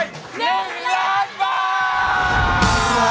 เจ้า